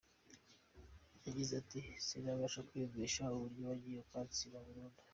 Yagize ati: "Sinabasha kwiyumvisha uburyo wagiye ukansiba burundu.